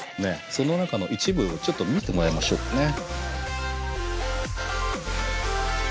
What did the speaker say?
その中の一部をちょっと見てもらいましょうかね。